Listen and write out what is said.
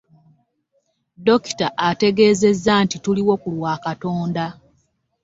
Dokita ategeezezza nti tuliwo ku lwa Katonda